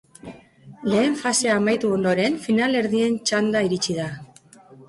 Lehen fasea amaitu ondoren finalerdien txanda iritsi da.